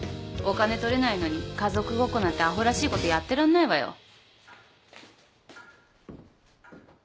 お金取れないのに家族ごっこなんてアホらしいことやってらんないわよ。